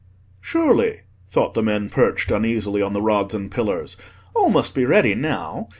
"Surely," thought the men perched uneasily on the rods and pillars, "all must be ready now.